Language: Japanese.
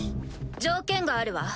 条件があるわ。